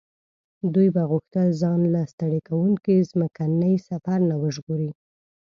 دوی به غوښتل ځان له ستړي کوونکي ځمکني سفر نه وژغوري.